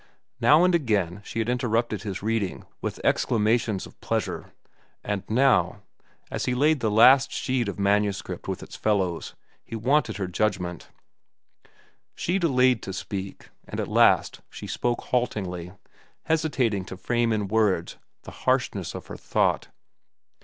Now and again she had interrupted his reading with exclamations of pleasure, and now, as he laid the last sheet of manuscript with its fellows, he waited her judgment. She delayed to speak, and at last she spoke haltingly, hesitating to frame in words the harshness of her thought.